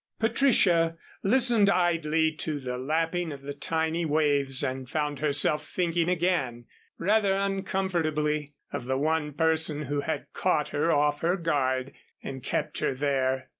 Patricia listened idly to the lapping of the tiny waves and found herself thinking again rather uncomfortably of the one person who had caught her off her guard and kept her there.